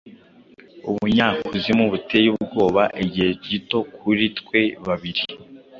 Ubujyakuzimu buteye ubwoba Igihe gito kuri twe babiri